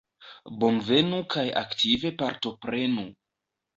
Bonvenu kaj aktive partoprenu!